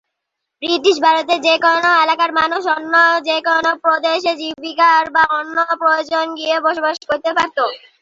British ভারতের যে কোনো এলাকার মানুষ অন্য যে কোনো প্রদেশে জীবিকার বা অন্য প্রয়োজনে গিয়ে বসবাস করতে পারতো।